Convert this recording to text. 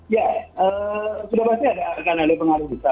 ya sudah pasti ada pengaruh besar